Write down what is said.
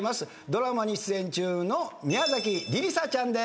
ドラマに出演中の宮崎莉里沙ちゃんです。